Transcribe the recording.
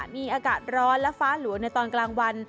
มีอากาศร้อนและฟ้าหลวงในตอนกลางวัน